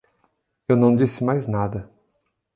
Eu não disse mais nada.